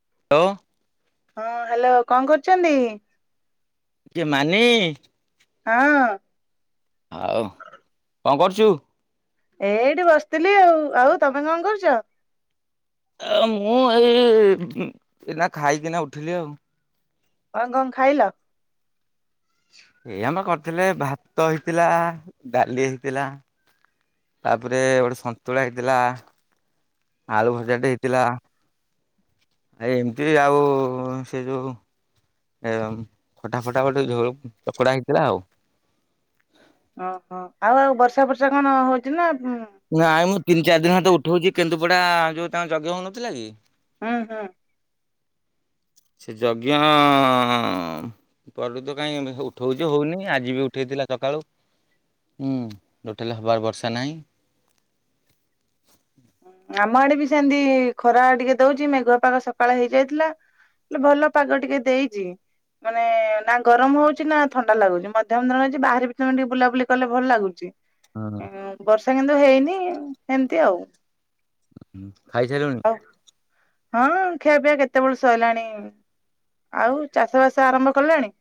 [inaudible] ହଁ ହ୍ୟାଲୋ କଣ କରୁଛନ୍ତି କି ମାନି ହଁ ଆଉ କଣ କରୁଛୁ ଏଇଠି ବସିଥିଲି ଆଉ ଆଉ ତମେ କଣ କରୁଛ ଆ ମୁଁ ଏଇ ଏଇନା ଖାଇକିନା ଉଠିଲି ଆଉ କଣ କଣ ଖାଇଲ ଏଇ ଆମେ କରିଥିଲେ ଭାତ ହେଇଥିଲା ଡାଲି ହେଇଥିଲା ତାପରେ ଗୋଟେ ସନ୍ତୁଳା ହେଇଥିଲା ଆଳୁ ଭଜାଟେ ହେଇଥିଲା ଆ ଏମିତି ଆଉ ସେ ଯୋଉ ଏ ଫଟା ଫଟା ଗୋଟେ ଝୋଳ ଚକଡା ହେଇଥିଲା ଆଉ ଓହୋ ଆଉ ଆଉ ବର୍ଷା ବର୍ଷା କଣ ହଉଛି ନା ହୁଁ ନାଇଁ ମୁଁ ତିନି ଚାରି ଦିନ ହେଲା ତ ଉଠଉଛି କେନ୍ଦୁପଡ଼ା ଯେଉଁ ତାଙ୍କ ଯଜ୍ଞ ହେଉନଥିଲା କି ହଁ ହଁ ସେ ଯଜ୍ଞ ପରେରୁ ତ କାଇହିଁ ଉଠଉଛ ହଉନି ଆଜି ବି ଉଠେଇଥିଲା ସକାଳୁ ହୁଁ ଉଠେଇଲେ ହବାର ବର୍ଷା ନାହିଁ ଆମ ଆଡେ ବି ସେମତି ଖରା ଟିକେ ଦଉଛି ମେଘୁଆ ପାଗ ସକାଳେ ହେଇଯାଇଥିଲା ହେଲେ ଭଲ ପାଗ ଟିକେ ଦେଇଛି ମାନେ ନା ଗରମ ହଉଛି ନା ଥଣ୍ଡା ଲାଗୁଛି ମଧ୍ୟମ ଧରଣ ଅଛି ବାହାରେ ବି ତମେ ଟିକେ ବୁଲାବୁଲି କଲେ ଭଲ ଲାଗୁଛି ହୁଁ ବର୍ଷା କିନ୍ତୁ ହେଇନି ଏମିତି ଆଉ ଖାଇସାରିଲୁଣି ଆଉ ହଁ ଖିଆପିଇଆ କେତେବେଳ ସରିଲଣି ଆଉ ଚାଷ ବାସ ଆରମ୍ଭ କଲାଣି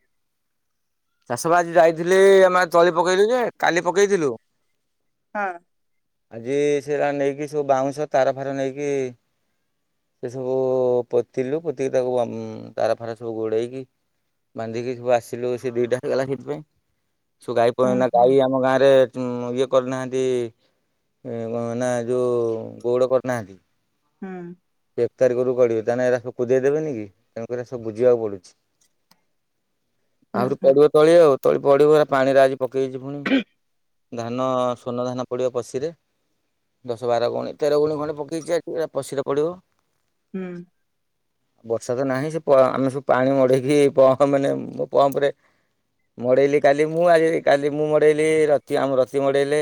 ଚାଷ ବାଜି ଯାଇଥିଲି ଆମେ ତଳି ପକେଇଲୁ ଯେ କାଲି ପକେଇଥିଲୁ ହଁ ଆଜି ସେରା ନେଇକି ସବୁ ବାଉଁଶ ତାର ଫାର ନେଇକି ସେ ସବୁ ପୋତିଲୁ ପୋତିକି ତାକୁ ତାର ଫାର ସବୁ ଗୋଡେଇକି ବାନ୍ଧିକି ସବୁ ଆସିଲୁ ସେ ଦିଟା ହେଇଗଲା ସେଥିପାଇଁ ହୁଁ ହୁଁ। [unintelligible] ଉ ଇଏ କରିନାହାନ୍ତି ନା ଯୋଉ ଗଉଡ କରିନାହାନ୍ତି ହୁଁ ଏକ ତାରିଖରୁ କରିବେ ତାହେଲେ ଏ ସବୁକୁ‌ବୁଝେଇ ଦେବେନି କି ତେଣୁକରି ଏ ସବୁ ବୁଝିବାକୁ ପଡୁଛି। ହୁଁ ଆହୁରୁ ହୁଁ ପଡିବ ତଳି ଆଉ ତଳି ପଡ଼ିବ ପୁରାପାଣିରେ ଆବି ପକେଇ ଛିଫୁଣି ଧାନ ସୁଵଣ୍ଣ ଧାନ ପଡ଼ିବ ପଶିରେ ଦଶ ବାର ଗୁଣି ତେର ଗୁଣିୀ ଖଣି ପକେଇଛି ଟିକେ ପଶିରେ ପଡ଼ିବ। ହୁଁ। ବର୍ଷା ତ ନାହିଁ ସେ ଆମେ ସବୁ ପାଣି ମଡେଇକି ମାନେ ମୋ ପମ୍ପ ରେ ମଡେଇଲି କାଲି ମୁଁ କାଲି ମୁଁ ମଡେଇଲି ବର୍ଷାତ ନାହିଁ ସେ ଆମରତି ମଡେଇଲେ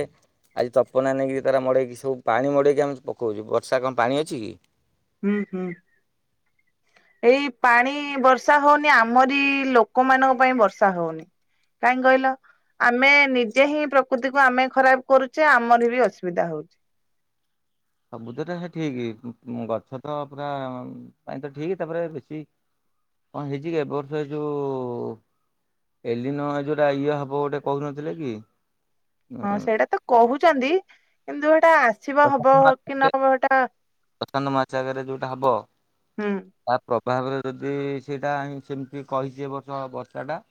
ଆଜି ତପନା ନେଇକି ତାର ମଡେଇକି ସବୁ ପାଣି ମଡେଇକି ଆମେ ପକଉଛୁ ବର୍ଷା କଣ ପାଣି ଅଛି କି। ହୁଁ ହୁଁ ଏଇ ପାଣି ବର୍ଷା ହଉନି ଆମରି ଲୋକମାନଙ୍କ ପାଇଁ ବର୍ଷା ହଉନି କାହିଁ କହିଲ ଆମେ ନିଜେ ହିଁ ପ୍ରକୃତିକୁ ଆମେ ଖରାପ କରୁଛେ ଆମର ବି ଅସୁବିଧା ହଉଛେ। ସବୁଦଟା ସେ ଠିକ ଗଛ ତ ପୁରା ପାଇଁ ତ ଠିକ ତାପରେ ବେଶୀ କଣ ହେଇଛି କି ଏବ ବର୍ଷ ଯୋଉ ଏଲିିନ ଯୋଉଟା ଇଏ ହବ ଗୋଟେ କହୁନଥିଲେ କି। ହଁ ସେଇଟା ତ କହୁଛି। କହିଛନ୍ତି କିନ୍ତୁ ଏଟା ଆସିବ ହବ କି ନହବ ହେଟା ପ୍ରସାନ୍ତ ମାଛ ଆଗରେ ଯୋଉଟା ହବ ହୁଁ ତା ଭାବରେ ଯଦି ସେଇଟା ସେମିତି କହିଛି ଏ ବର୍ଷ ବର୍ଷାଟା।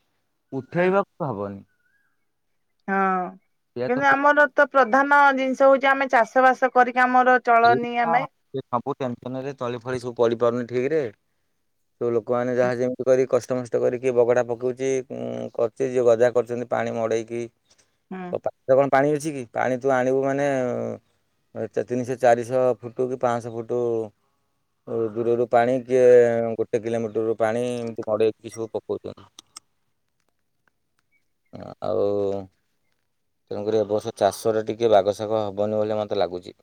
ହୁଁ ଉଠେଇବାକୁ ତ, ହବନି। ହଁ। ସେ ତ କିନ୍ତୁ ଆମର ତ- ପ୍ରଧାନ ଜିନିଷ ହଉଛି, ଆମେ ଚାଷ, ବାସ କରି ସବୁ ଟେନସନରେ ତଳି, ଫଳି ସବୁ ପଡି ପାରୁନି- ଠିକ ରେ, ସବୁ ଲୋକମାନେ ଯାହା ଯେମିତି କରି, କଷ୍ଟ, ମଷ୍ଟ କରିକି ବଗଡ଼ା ପକଉଛି ।କରୁଛି ଯିଏ ଗଜା କରୁଛନ୍ତି ପାଣି ମଡ଼େଇକି। ହୁଁ ତଥାପି ଦେବଃ। ପାଣି ଅଛି କି? ପାଣି ତୁ ଆଣିବୁ ମାନେ, ଏତେ ତିନିଶ ଚାରିଶହ ଫୁଟୁ, କି ପାଞ୍ଚଶହ ଫୁଟୁ, ଦୂରରୁ ପାଣି କିଏ ଗୋଟେ କିଲୋମିଟରରୁ ପାଣି, ଏମିତି ମଡ଼େଇକି ସବୁ ପକଉଛନ୍ତି। ଆ, ଆଉ- ତେଣୁ, କରି ଏବର୍ଷ ଚାଷରେ ଟିକେ ବାଗ, ଶାଗ ହବନି ବୋଲି ମତେ ଲାଗୁଛି?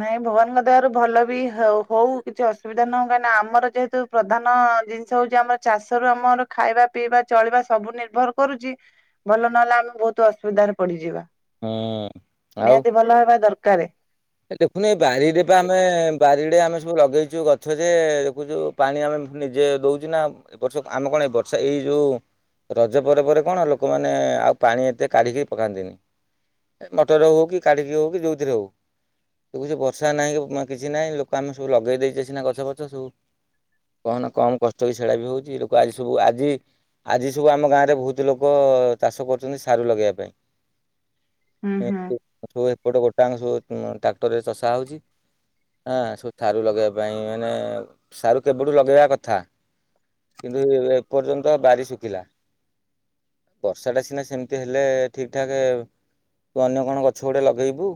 ନାଇଁ ଭଗବାନଙ୍କ ଦୟାରୁ ଭଲ ବି ହ, ହଉ ।କିଛି ଅସୁବିଧା ନଁ ହେଉ, କାହିଁକି ନା ଆମର ଯେହେତୁ ପ୍ରଧାନ ଜିନିଷ ହଉଛି, ଆମର ଚାଷରୁ ଆମର ଖାଇବା, ପିଇବା, ଚଳିବା ସବୁ ନିର୍ଭର କରୁଛି ।ଭଲ ନହେଲେ ଆମେ ବହୁତ ଅସୁବିଧାରେ ପଡିଯିବା। ହୁଁ, ଆଉ। କରେ। ଦେଖୁନ ଏଇ ବାରିରେ ବା ଆମେ ବାରି ରେ, ଆମେ ସବୁ ଲଗେଇଛୁ ଗଛ ଯେ, ଦେଖୁଛୁ ପାଣି ଆମେ ନିଜେ ଦଉଛୁ ନା, ଏ ବର୍ଷ ଆମେ କଣ, ଏ ବର୍ଷା ଏଇ ଯୋଉ ରଜ ପରେ, ପରେ କଣ ଲୋକମାନେ ଆଉ ପାଣି ଏତେ କାଢ଼ିକି ପକାନ୍ତିନି ।ଏ ମଟରରେ, ହଉ କି କାଢ଼ିକି ହଉ, କି ଯେଉଥିରେ ହଉ। ଛି ବର୍ଷା ନାହିଁ କି କିଛି ନାହିଁ ଲୋକ ଆମେ ସବୁ ଲଗେଇ ଦେଇଛେ ସିନା ଗଛ ଫଛ ସବୁ । କାହନା କମ କଷ୍ଟ କି ସେଡ଼ା ବି ହଉଛି ।ଲୋକ ଆଜି ସବୁ ଆଜି ଆଜି ସବୁ, ଆମ ଗାଁରେ ବହୁତ ଲୋକ ଚାଷ କରୁଛନ୍ତି ସାରୁ ଲଗେଇବା ପାଇଁ। ହୁଁ ହୁଁ ସବୁ ଏପଟ କ ତାଂ, ସ ହୁଁ, ଟ୍ରାକ୍ଟରରେ ଚଷା ହଉଛି। ହଁ, ସବୁ ସାରୁ ଲଗେଇବା ପାଇଁ, ମାନେ ସାରୁ କେବେଠୁ ଲଗେଇବା କଥା, କିନ୍ତୁ ଏପର୍ଯ୍ୟନ୍ତ ବାରି ଶୁଖିଲା ।ବର୍ଷାଟା ସିନା ସେମିତି ହେଲେ ଠିକ ଠାକ୍ ଅନ୍ୟ କଣ ଗଛ ଗୁଟେ ଲଗେଇବୁ।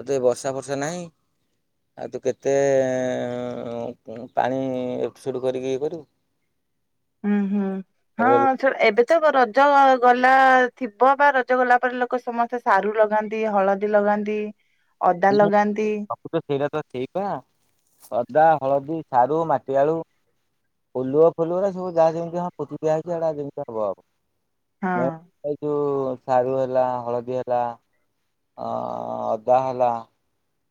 ଆଉ ତୁ ଏ ବର୍ଷା, ଫର୍ଷା ନାହିଁ ।ଆଉ ତୁ କେତେ ପାଣି ଏଠୁ, ସେଠୁ କରିକି ଇଏ କରିବୁ। ହୁଁ, ହୁଁ, ତାପରେ ହଁ ସେଟା ଏବେ ରଜ ଗଲା ଥିବ, ବା ରଜ ଗଲା ପରେ, ଲୋକ ସମସ୍ତେ ସାରୁ ଲଗାନ୍ତି, ହଳଦୀ ଲଗାନ୍ତି। ଅଦା ଲଗାନ୍ତି ସବୁ ତ, ସେଇଟା ତ ଠିକ ଅଦା। ହଳଦୀ, ସାରୁ, ମାଟିଆଳୁ, ଓଲୁଅ, ଫଲୁଅ ରା ସବୁ ଯାହା ଯେମିତି ହଁ ପୋତି ଦିଆ ହେଇଛି ସେଗଡ଼ା ଯେମିତି ହବ ଆଉ । ହଁ ମୁ [inaudible] ସାରୁ ହେଲା, ହଳଦୀ ହେଲା, ଅ ଅଦା ହେ ଲା।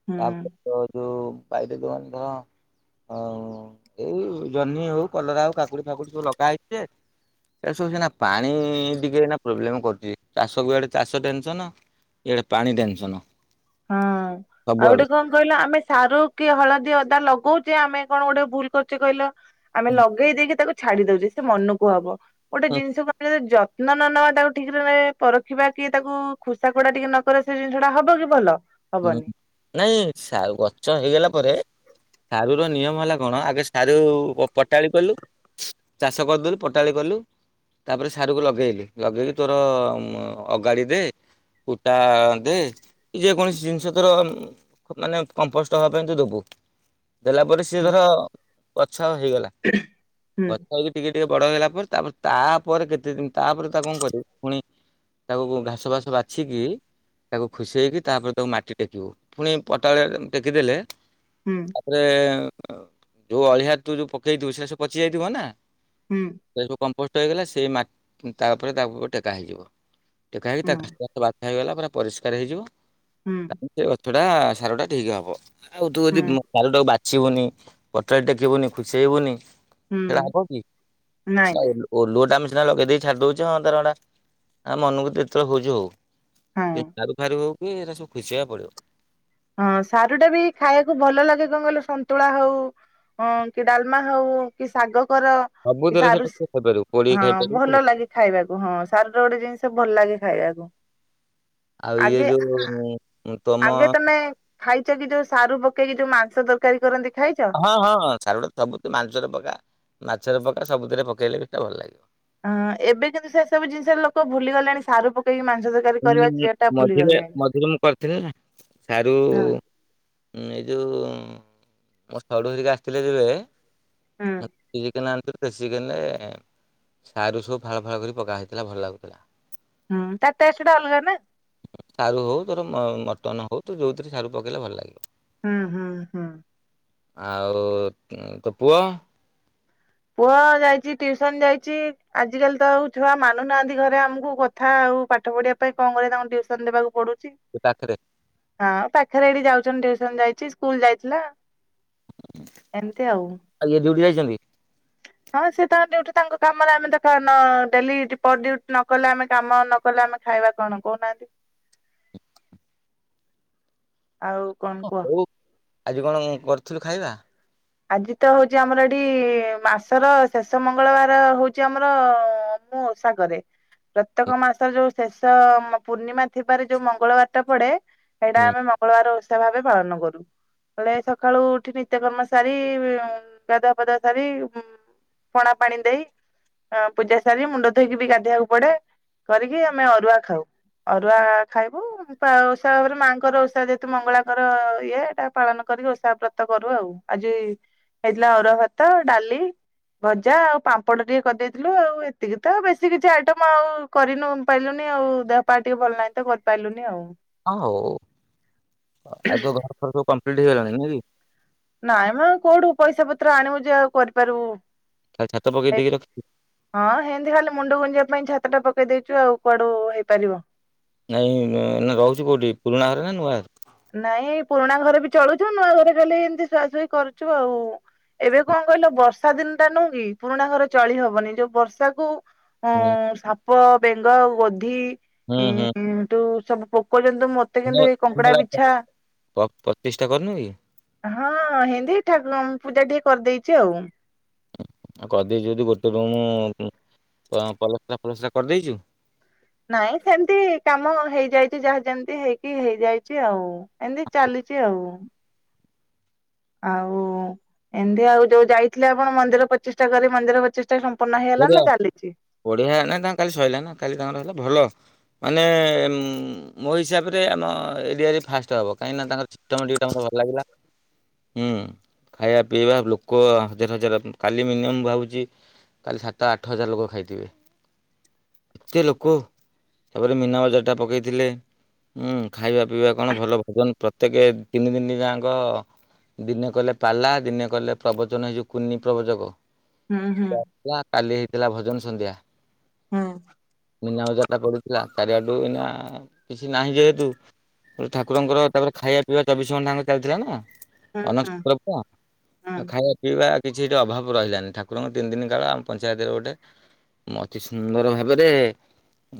ହୁଁ। ତାପରେ ତ ଯୋ ଏଇ ଜହ୍ନି ହଉ, କଲରା ହଉ, କାକୁଡି, ଫାକୁଡି ସବୁ ଲଗା ହେଇଛି ଯେ, ସେସବୁ ସିନା ପା ଣି, ଟିକେ ଏନା ପ୍ରୋବ୍ଲେମ୍ କରୁ ଚାଷକୁ, ଏଡ଼େ ଚାଷ ଟେନ୍‌ସନ, ଇଆଡ଼େ ପାଣି ଟେନ୍‌ସନ । ହଁ। ଆଉ ଗୋଟେ କଣ କହିଲ ଆମେ ସାରୁ କି, ହଳଦୀ, ଅଦା ଲଗଉଛେ ।ଆମେ କଣ, ଗୋଟେ ଭୁଲ୍‌ କରୁଛେ କହିଲ? ଆମେ ହୁଁ ଲଗେଇ ଦେଇକି ତାକୁ ଛାଡ଼ି ଦଉଚି ସେ ମନକୁ ହବ । ଗୋଟେ ଜିନିଷ କ ହେଲା ଯ ତନ ନ ନବା ତାକୁ ଠିକ୍‌ରେ ପରଖିବା କି ତାକୁ ଖୋସା ଖୋଡା ଟିକେ ନକଲେ ସେ ଜିନିଷ ଟା ହବ କି ଭଲ । ହୁଁ ନାଇଁ ସା ଗଛ ହେଇଗଲା ପରେ ସାରୁ ର ନିୟମ ହେଲା କଣ ଆଗେ ସାରୁ ପଟାଳି କଲୁ ଚାଷ କରିଦେଲୁ ପଟାଳି କଲୁ ତାପରେ ସାରୁକୁ ଲଗେଇଲୁ ଲଗେଇକି ତୋର ଅଗାଡି ଦେ କୁଟା ଦେ କି ଯେକୌଣସି । ଜିନିଷ ତୋର ମାନେ କମ୍ପୋଷ୍ଟ ହେବା ପାଇଁ ତୁ ଦେବୁ ଦେଲା ପରେ ସେ ଧର । ଗଛ ହେଇଗଲା ହୁଁ ଗଛ ହେଇକି ଟିକେ ଟିକେ । ବଡ଼ ହେଇଗଲା ପରେ ତାପରେ ତାପରେ କେତେ ଦିନ ତାପରେ ତାକୁ କଣ କରିବି ପୁଣି ତାକୁ ଘାସ ଫାସ ବାଛିକି ତାକୁ ଖୁସେଇ କି ତାପରେ । ତାକୁ ମାଟି ଟେକିବୁ ପୁଣି ପୋଟାଳି ଟେକିଦେଲେ ହୁଁ । ତା ପରେ । ଯୋଉ ଅଳିଆ ତୁ ଯୋଉ ପକେଇଥିବୁ ସେସବୁ ପଚି ଯାଇଥିବ ନା । ହୁଁ ସେ ସବୁ କମ୍ ପୋଷ୍ଟ ହେଇଗଲା ସେଇ ମାଟି ତାପରେ ତାକୁ ଟେକା ହେଇଯିବ। ଟେକା ହେଇକି ତା ହୁଁ ଘାସ ଫାଶ ବଛା ହେଇଗଲା ପୁରା ପରିଷ୍କାର ହେଇଯିବ। ହୁଁ [inaudible] ସେଇଟା ସାର ଟା ଠିକ୍ ହେବ । ଆଉ ତୁ ଅଦି ଉଁ ହୁଁ ପାଲ ଟା କୁ ବା। ଛିବୁନି ପଟାଳି ଟେକିବୁନି ଖୁ ସେଇବୁନି । ହୁଁ ସେଇଟା ହବ କି ନାଇଁ ।ସେଇଟା ନାଇଁ ଓଲୁ ଓଲୁଅ ଟା ଆମେ । ସିନା ଲଗେଇ ଦେଇେ ଛାଡି ଦଉଛେ ହଁ ତାର ଗଲା ମନକୁ ଯେତେଳେ ହଉଚି ହଉ ହଁ । ସାରୁ ଫାରୁ ହଉ। କି ଏରା ସବୁ । ଖୁସେଇ ଆକୁ ପଡ଼ିବ । ହଁ ସାରୁ ଟା ବି ଖାଇବାକୁ ଭଲ ଲାଗେ। କଣ କହିଲେ ସନ୍ତୁଳା ହଉ କି ଡାଲମା ହଉ କି ଶାଗ । ଗ କି ସବୁଥିରେ ସାରୁ ସେଟା ତୁ ଖାଇପାରିବୁ ପୋଡିକି ସି ହଁ ଖାଇପାରିବୁ ଭଲ ଲାଗେ ଖାଇବାକୁ ହଁ ସାରୁ ଟା ଗୋଟେ ଜିନିଷ ଭଲ ଲାଗେ। ଖାଇଆକୁୁ। ଆଉ ଇଏ ଯୋଉ ତମ ଆଗେ । ତମେ ଖାଇଛ କି ଯୋଉ ସାରୁ ପକେଇକି ଯୋଉ ମାଂସ ତରକାରୀ କରନ୍ତି। ଖାଇଛ? ହଁ ହଁ ସାରୁ ଟା ସବୁ ତୁ ମାଂସର ପକା ମାଛର ପକା। ସବୁଥିରେ ପକେଇଲେ ବି ସେଟା ଭଲ ଲାଗିବ। ହଁ ଏବେଯୋଉ ସେ ସବୁ ଜିନିଷ ଲୋକ ଭୁଲି ଗଲେଣି ସାରୁ ପ ମୁଁ ମଝିରେ ମଝିରେ ମୁଁ କରିଥିଲି ନା ସାରୁ ହଁ। ଉଁ ଏଇ ଯୋଉ ମୋ ସଢୁ ହେରିକା ଆସିଥିଲେ ଯେବେ ହୁଁ । ଚିକେନ ଆଣିଥିଲୁ । ଦେଶୀ ଚିକେନ ରେ ସାରୁ ସବୁ ଫାଳ ଫାଳ କରିକି ପକା ହେଇଥିଲା ଭଲ ଲାଗୁଥିଲା। ହୁଁ ତା ଟେଷ୍ଟଟା ଅଲଗା ନା। ସାରୁ ହଉ ତୋର ମଟନ ହଉ ତ ଯୋଉଥିରେ ସାରୁ ପକେଇଲେ ଭଲ ଲାଗିବ। ହୁଁ ହୁଁ ହୁଁ। ଆଉ ତୋ ପୁଅ? ପୁଅ ଯାଇଛି ଟିଉସନ ଯାଇଛି ଆଜିକାଲି ତ ଆଉ ଛୁଆ ମାନୁନାହାନ୍ତି ଘରେ ଆମକୁ କଥା ଆଉ ପାଠ ପଢିବା ପାଇଁ କଣ କରିବା ତାଙ୍କୁ ଟିଉସନ ଦବାକୁ ପଡୁଛି। ତୋ ପାଖରେ ହଁ ପା [inaudible] ପାଖରେ ଏଠି ଯାଉଛନ୍ତିୁ ଟିଉସନ ଯାଇଛିଇ। ସ୍କୁଲ ଯାଇଥିଲା। ଏମିତି ଆଉ। ଆଜ ଡଟି [inaudible] ଛନ୍ତି [inaudible] ହଁ ସେ ତାଙ୍କ ଡିଉଟି ତାଙ୍କ କାମରେ ଆମେ ତ [inaudible] ଡେଲି ପରଡିଉଟି ନ କଲେ ଆମେ କାମ ନ କଲେ ଆମେ ଖାଇବା କଣ କହୁନାହାନ୍ତି। ଆଉ କଣ ହଁ, କୁହ? ହଉ ଆଜି କଣ କରିଥିଲୁ ଖାଇବା? ଆଜି ତ ହଉଛି ଆମର ଏଠି ମାସର ଶେଷ ମଙ୍ଗଳବାର ହଉଛି ଆମର ମୁଁ ଓଷା କରେ। ପ୍ରତ୍ୟେକ ମାସର ଯୋଉ ଶେଷ ପୂର୍ଣ୍ଣିମା ଥିବାରେ ଯୋଉ ମଙ୍ଗଳବାର ଟା ପଡେ ସେଇଟା ହୁଁ ଆମେ ମଙ୍ଗଳବାର ଓ ଭାବେ [inaudible] ପାଳନ କରୁ ହେଲେ ସକାଳୁ ଉଠି ନିତ୍ୟକର୍ମ ସାରି ଗାଧୁଆ ପାଧୁଆ ସାରି ପଣା ପାଣି ଦେଇ ପୂଜା ସାରି ମୁଣ୍ଡ ଧୋଇକି ବି ଗାଧେଇବାକୁ ପଡେ କରିକି ଆମେ ଅରୁଆ ଖାଉ ଅରୁଆ ଖାଇବୁ ଓଷା ଭାବରେ ମାଙ୍କର ଓଷା ଯେହେତୁ ମଙ୍ଗଳାଙ୍କର ଇଏଟା ପାଳନ କରିକି ଓଷା ବ୍ରତ କରୁ ଆଉ। ଆଜି ହେଇଥିଲା ଅରୁଆ ଭାତ, ଡାଲି, ଭଜା ଆଉ ପାମ୍ପଡ଼ ଟିକେ କରିଦେଇଥିଲୁ ଆଉ ଏତିକି ତ ବେଶୀ କିଛି ଆଇଟମ ଆଉ କରିନୁ ପାରିଲୁନି ଆଉ ଦେହ ପାଆ ଟିକେ ଭଲ ନାହିଁ ତ କରିପାରିଲୁନି ଆଉ। ହଁ ହଉ ଆଉ ତୋ ଘର ଫର ସବୁ ପଠ ଖେଲାଣି ନାି [inaudible] ନାଇଁ ମ କୋଉଠୁ ପଇସା ପତ୍ର ଆଣିବୁ ଯେ ଆଉ କରିପାରିବୁ। ଖାଲି ଛାତ ପକେଇ ଦେଇକି ରଖିଛୁ ହଁ ହେମତି ଖାଲି ମୁଣ୍ଡ ଗୁଞ୍ଜିବାକୁ। ପାଇଁ ଛାତ ଟା ପକେଇ ଦେଇଛୁ ଆଉ କୁଆଡୁ ହେଇପାରିବ। ନାଇଁ ରହୁଛୁ କୋଉଠି ପୁରୁଣା ଘରେ ନା ନୂଆ ରେ? ନାଇଁ ପୁରୁଣା ଘରେ ବି ଚଳୁଛୁ ନୂଆ ଘରେ ଖାଲି ଏମିତି ଶୁଆସୁଇ କରୁଛୁ ଆଉ ।ଏବେ କଣ କହିଲ ବର୍ଷା ଦିନ ଟା ନୁହଁ କି ପୁରୁଣା ଘରେ ଚଳି ହବନି ଯୋଉ ବର୍ଷାକୁ ହଁ ହୁଁ ସା ପ ବେଙ୍ଗ, ଗୋଧି। ହୁଁ ହୁଁ [inaudible] ସବୁ [inaudible] କହୁଛନ୍ତିୁ ମତେ କିନ୍ତୁ ଏ କଙ୍କଡା । ପ- ପଚିଶଟା କରିନୁ କି ହଁ ହିନ୍ଦୀ ଠଗ। ପୂଜା ଟିକେ କରିଦେଇଛି ଆଉ। ଆଉ କହିଦେଇ ଯଦି ଗୋଟେ ରୁମୁ ପଲସ୍ରା ଫଲସ୍ରା କରିଦେଇଛୁ? ନାଇଁ ସେମିତି କାମ ହେଇଯାଇଛି ଯାହା ଯେମିତି ହେଇକି ହେଇଯାଇଛି ଆଉ ଏମିତି ଚାଲିଛି ଆଉ। ଆଉ ଏମିତି ଆଉ ଯୋଉ ଯାଇଥିଲେ ଆପଣ ମନ୍ଦିର ପଚିଶ ଟା କରି ମନ୍ଦିର ପଚିଶାା- ଆ ପଢିଆ ନାଇ ତାଙ୍କ କାଲି ସରିଲା ନା, କାଲି ତାଙ୍କାର ହେଲା ଭଲ । ମାନେ ମୋ ହିସାବରେ ଆମ ଏରିଆରେ ଫାଷ୍ଟ ହବ, କାହିଁକିନା ତାଙ୍କର [unintelligible] ଭଲ ଲାଗିଲା। ହୁଁ ଖାଇବା ପିଇବା ଲୋକ ହଜାର ହଜାର କାଲି ମିନିମମ୍ ଭାବୁଛି। କାଲି ସାତ ଆଠ ହଜାର ଲୋକ ଖାଇଥିବେ ଏତେ ଲୋକ ତାପରେ ମୀନାବଜାରଟା ପକେଇଥିଲେ ଉଁ ଖାଇବା ପିଇବା କଣ ଭଲ ଭଜନ ପ୍ରତ୍ୟେକ ତିନି ଦିନ ଯାଁକ ଦିନେ କଲେ ପାଲା ଦିନେ କଲେ ପ୍ରବଚନ ଏଇ ଯୋଉ କୁନି ପ୍ରବଚକ ଉଁ ହୁଁ। ନା କାଲି ହେଇଥିଲା ଭଜନ ସନ୍ଧ୍ୟା। ହଁ। ମିନାବଜାରଟା ପଡୁଥିଲା ଚାରିଆଡୁ ଏଇନା କିଛି ନାହିଁ ଯେହେତୁ ଠାକୁରଙ୍କର ତାପରେ ଖାଇବା ପିଇବା ଚବିଶ ଘଣ୍ଟା ଆଁକ ଚାଲିଥିଲା ନା ହୁଁ ହୁଁ ଅନ୍ନଛତ୍ର ପରା ହୁଁ। ଆ ଖାଇବା ପିଇବା କିଛି ଏଠି ଅଭାବ ରହିଲାନି ଠାକୁରଙ୍କ ତିନି ଦିନି କାଳ ଆମ ପଞ୍ଚାୟତରେ ଗୋଟେ ଅତି ସୁନ୍ଦର ଭାବରେ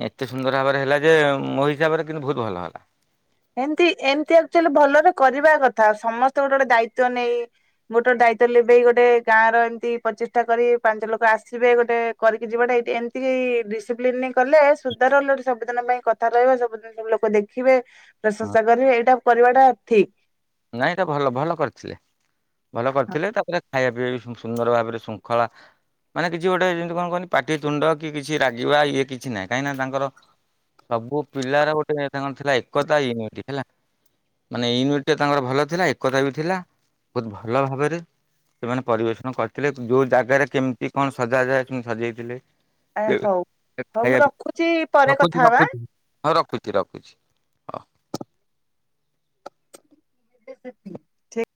ଏତେ ସୁନ୍ଦର ଭାବରେ ହେଲା ଯେ ମୋ ହିସାବରେ କିନ୍ତୁ ବୋହୁତ ଭଲ ହେଲା। ଏମତି ଏମତି ଆକଚୋଲି ଭଲରେ କରିବା କଥା ସମସ୍ତେ ଗୋଟେ ଗୋଟେ ଦାୟିତ୍ଵ ନେଇ ଗୋଟେ ଗୋଟେ ଦାୟିତ୍ଵ ଲିଭେଇ ଗୋଟେ ଗାଁର ଏମତି ପ୍ରଚେଷ୍ଟା କରି ପାଞ୍ଚ ଲୋକ ଆସିବେ ଗୋଟେ କରିକି ଯିବାଟା ଏଇଟି ଏମତିକି ଡିସିପ୍ଲିନରେ କଲେ ସୁଧାର ହେଲେ ଗୋଟେ ସବୁଦିନ ପାଇଁ କଥା ରହିବ ସବୁଦିନ ସବୁ ଲୋକ ଦେଖିବେ। ହଁ ପ୍ରଶଂସା କରିବେ ଏଇଟା କରିବାଟା ଠିକ୍। ନାଇଁ ଏଟା ଭଲ ଭଲ ଭଲ କରିଥିଲେ। ଭଲ କରିଥିଲେ ତାପରେ ଖାଇବା ପିଇବା ବି ସବୁ ସୁନ୍ଦର ଭାବରେ ଶୃଙ୍ଖଳା ମାନେ କିଛି ଗୋଟେ ଯେମିତି କଣ କହନି ପାଟି ତୁଣ୍ଡ କି କିଛି ରାଗିବା ଇଏ କିଛି ନାହିଁ କାହିଁକିନା ତାଙ୍କର ସବୁ ପିଲାର ଗୋଟେ ତାଙ୍କର ଥିଲା ଏକତା ୟୁନିଟି ହେଲା ମାନେ ୟୁନି ଟିରେ ତାଙ୍କର ଭଲ ଥିଲା ଏକତା ବି ଥିଲା ବୋହୁତ ଭଲ ଭାବରେ ସେମାନେ ପରିବେଷଣ କରିଥିଲେ ଯୋଉ ଜାଗାରେ କେମତି କଣ ସଜାଯାଏ ସେମତି ସଜେଇଥିଲେ। ଆ ଏ ହଉ ହଉ ମୁଁ ଖାଇବା ବି ରଖୁଛି ପରେ ରଖୁଚୁ କଥା ହବା। ରଖୁଚୁ ହଁ ରଖୁଚୁ ରଖୁଚୁ। ଅଃ। ଠି